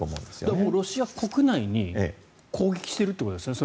だからもう、ロシア国内に攻撃しているってことですね。